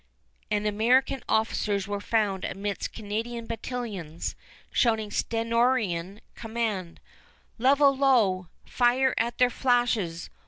And American officers were found amidst Canadian battalions, shouting stentorian command: "Level low! Fire at their flashes!